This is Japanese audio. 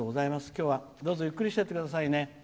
きょうは、どうぞゆっくりしていってくださいね。